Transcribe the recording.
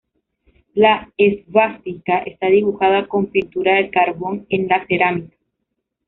La esvástica está dibujada con pintura de carbón en la cerámica.